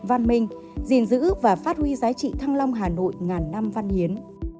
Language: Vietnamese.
văn minh gìn giữ và phát huy giá trị thăng long hà nội ngàn năm văn hiến